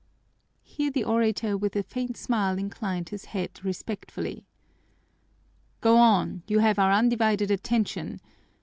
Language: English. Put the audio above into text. Here the orator with a faint smile inclined his head respectfully. "Go on, you have our undivided attention!"